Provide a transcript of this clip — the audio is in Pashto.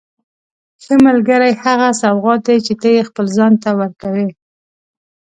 ښه ملګری هغه سوغات دی چې ته یې خپل ځان ته ورکوې.